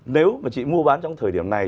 nếu mà chị mua bán trong thời điểm này